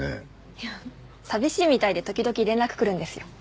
いや寂しいみたいで時々連絡来るんですよ。